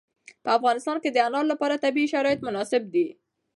په افغانستان کې د انار لپاره طبیعي شرایط مناسب دي.